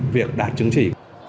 việc đạt chứng chỉ